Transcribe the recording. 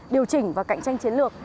điều chỉnh và cạnh tranh chiến lược